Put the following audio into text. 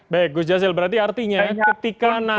baik gus jazil berarti artinya ketika nanti